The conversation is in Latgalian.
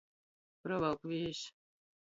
Provalk viejs.